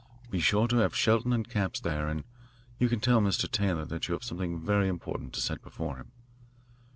Be sure to have Shelton and Capps there, and you can tell Mr. Taylor that you have something very important to set before him.